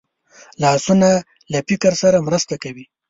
لاسونه له فکر سره مرسته کوي